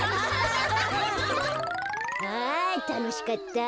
あたのしかった。